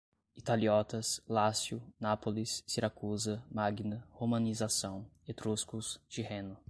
italiotas, Lácio, Nápoles, Siracusa, Magna, romanização, etruscos, Tirreno